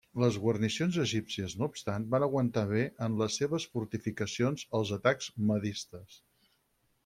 Les guarnicions egípcies no obstant van aguantar bé en les seves fortificacions els atacs mahdistes.